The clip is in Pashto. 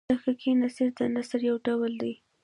تحقیقي نثر د نثر یو ډول دﺉ.